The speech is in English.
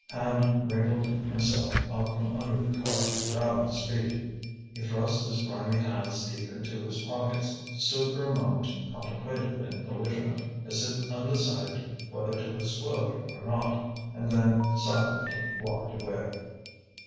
Hand wriggled himself out from under the car and got on his feet. He thrust his grimy hands deep into his pockets, stood for a moment contemplative and belligerent, as if undecided whether to explode or not, and then silently walked away.